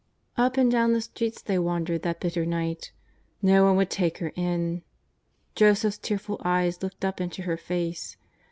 Up and down the streets they wandered that bitter night. No one would take her in. Joseph's tearful eyes looked up into her face.